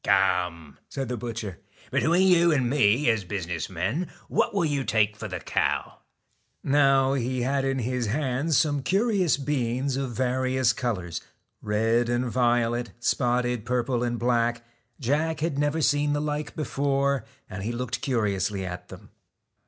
'Come,' said the butcher; 'between you and me, as business men, what will you take for the cow ?' Now, he had in his hands some curious beans of various colours, red and violet, spotted purple and black. Jack had never seen the like before, and he looked curiously at them.